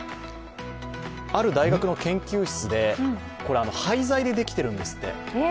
ある大学の研究室で、これ、廃材でできてるんですって。